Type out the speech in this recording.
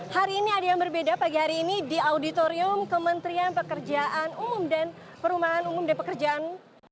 hari ini ada yang berbeda pagi hari ini di auditorium kementerian pekerjaan umum dan perumahan umum dan pekerjaan